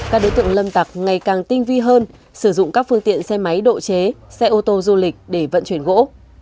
các đối tượng lâm tặc ngày càng tinh vi hơn sử dụng các phương tiện xe máy độ chế xe ô tô du lịch để vận chuyển gỗ